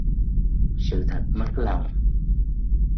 Sự thật mất lòng